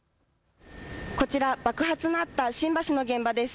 こちら爆発のあった新橋の現場です。